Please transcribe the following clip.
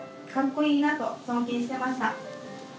いいなと尊敬してました。